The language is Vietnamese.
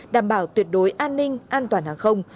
đảm bảo tuyệt đối an ninh an toàn hàng không